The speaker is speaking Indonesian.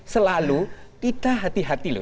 selalu tidak hati hati loh